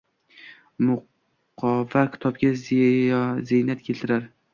Muqova kitobga ziynat keltirar